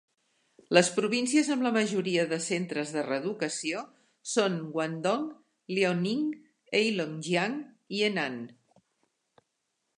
Les províncies amb la majoria de centres de reeducació són Guangdong, Liaoning, Heilongjiang i Henan.